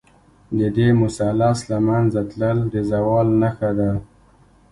د دې مثلث له منځه تلل، د زوال نښه ده.